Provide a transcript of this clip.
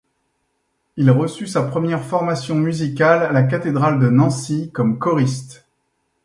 Il reçut sa première formation musicale à la cathédrale de Nancy, comme choriste.